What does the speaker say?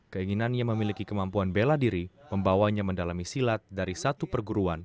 keinginannya memiliki kemampuan bela diri membawanya mendalami silat dari satu perguruan